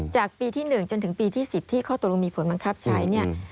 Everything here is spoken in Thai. จากปีที่๑จนถึงปีที่๑๐ที่ข้อตกลงมีผลบังคับใช้เนี่ย